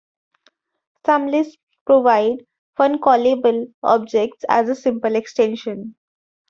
Some Lisps provide "funcallable" objects as a simple extension.